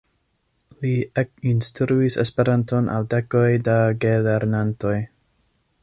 Li ekinstruis Esperanton al dekoj da gelernantoj.